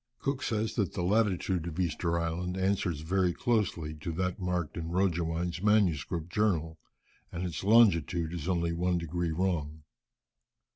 Cook says that the latitude of Easter Island answers very closely to that marked in Roggewein's MS. journal, and its longitude is only one degree wrong.